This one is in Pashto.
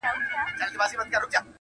چا راوړي د پیسو وي ډک جېبونه,